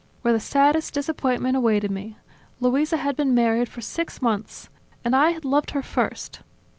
. where the saddest disappointment awaited me. Luisa had been married for six months! And I had loved her first!